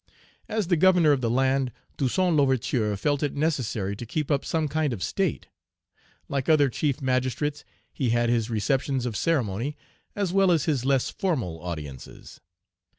As the Governor of the land, Toussaint L'Ouverture felt it necessary to keep up some kind of state. Like other chief magistrates, he had his receptions of ceremony, as well as his less formal audiences.